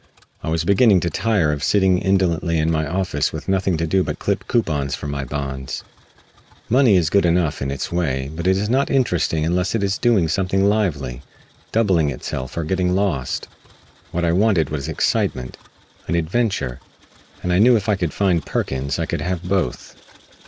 I was beginning to tire of sitting indolently in my office with nothing to do but clip coupons from my bonds. Money is good enough, in its way, but it is not interesting unless it is doing something lively doubling itself or getting lost. What I wanted was excitement an adventure and I knew that if I could find Perkins I could have both.